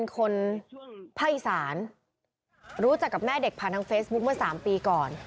คนภาคอีสานรู้จักกับแม่เด็กผ่านทางเฟซบุ๊คเมื่อ๓ปีก่อน